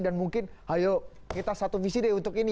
dan mungkin ayo kita satu visi deh untuk ini